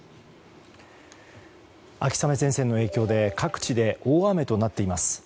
秋雨前線の影響で各地で大雨となっています。